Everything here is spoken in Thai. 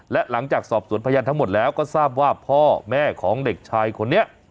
และหลังจากสอบสวนพยานทั้งหมดแล้วก็ทราบว่าพ่อแม่ของเด็กชายคนนี้